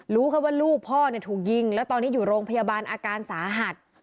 รู้แค่ว่าลูกพ่อถูกยิงแล้วตอนนี้อยู่โรงพยาบาลอาการสาหัส